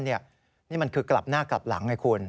นี่มันคือกลับหน้ากลับหลังไงคุณ